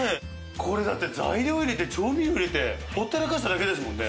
これだって材料入れて調味料入れてほったらかしただけですもんね。